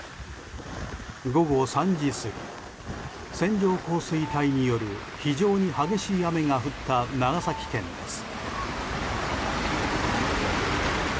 午後３時過ぎ線状降水帯による非常に激しい雨が降った長崎県です。